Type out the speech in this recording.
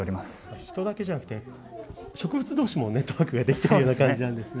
人だけではなくて植物どうしがネットワークできるような感じなんですね。